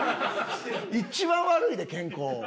一番悪いで健康。